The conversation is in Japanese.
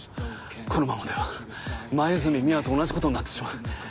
このままでは黛美羽と同じことになってしまう。